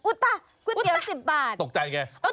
ตะก๋วยเตี๋ยว๑๐บาทตกใจไง